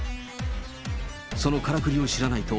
そのからくりを知らないと、